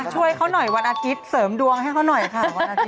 ช่วยเขาหน่อยวันอาทิตย์เสริมดวงให้เขาหน่อยค่ะวันอาทิต